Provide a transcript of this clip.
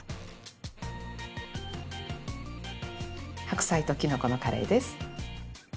白菜ときのこのカレーです！